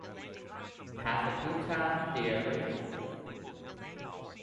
Have a good time, dearies!